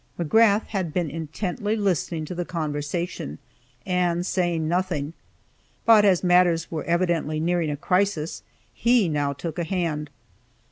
McGrath had been intently listening to the conversation, and saying nothing, but, as matters were evidently nearing a crisis, he now took a hand.